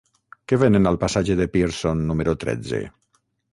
Què venen al passatge de Pearson número tretze?